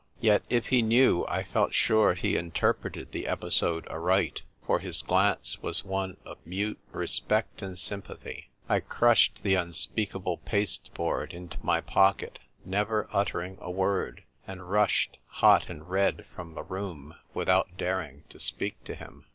Yet if he knew I felt sure he interpreted the episode aright, for his glance was one of mute respect and symi)at]iy. I crushed the unspeakable pasteboard into my pocket, never uttering a word, and rushed, hot and red, from the room, without daring to speak to him.